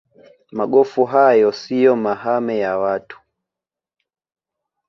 magofu hayo siyo mahame ya watu